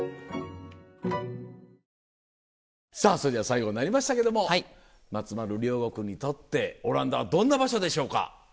最後になりましたけども松丸亮吾君にとってオランダはどんな場所でしょうか。